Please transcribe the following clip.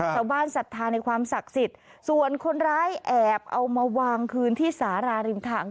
ศรัทธาในความศักดิ์สิทธิ์ส่วนคนร้ายแอบเอามาวางคืนที่สาราริมทาง